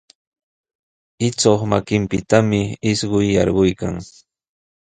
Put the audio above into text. Ichuq makinpitami isquy yarquykan.